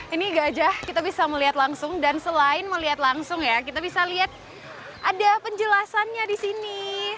ini gajah kita bisa melihat langsung dan selain melihat langsung ya kita bisa lihat ada penjelasannya di sini